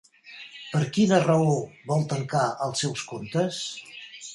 Per quina raó vol tancar els seus comptes?